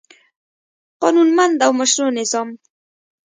قانونمند او مشروع نظام